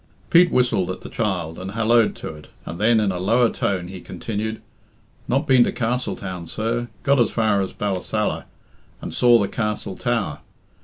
Pete whistled at the child, and halloed to it, and then, in a lower tone, he continued, "Not been to Castletown, sir. Got as far as Ballasalla, and saw the castle tower.